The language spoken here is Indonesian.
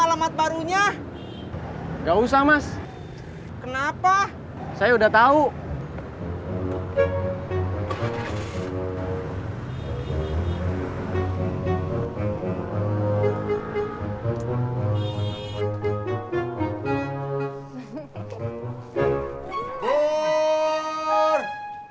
kalau neng aninya udah pindah tapi sekarang saya udah tahu alamat